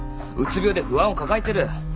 うつ病で不安を抱えてる。